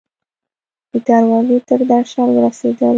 د دروازې تر درشل ورسیدل